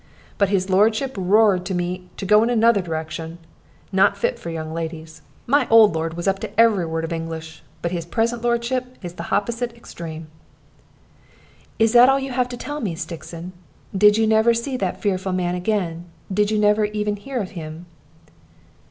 But his lordship roared to me to go in another direction, not fit for young ladies. My old lord was up to every word of English; but his present lordship is the hopposite extreme." "Is that all you have to tell me, Stixon? Did you never see that fearful man again? Did you never even hear of him?"